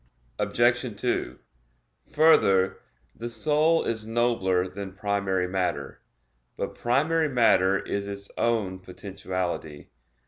Obj. 2: Further, the soul is nobler than primary matter. But primary matter is its own potentiality.